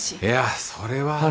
いやそれは。